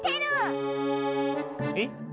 えっ？